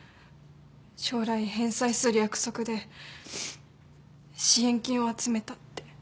将来返済する約束で支援金を集めたって。